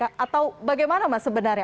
atau bagaimana mas sebenarnya